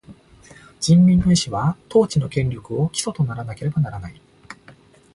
人民の意思は、統治の権力を基礎とならなければならない。